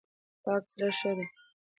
پاک زړه ښه دی.